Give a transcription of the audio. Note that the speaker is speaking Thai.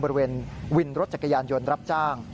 บริเวณวินรถจักรยานยนต์รับจ้าง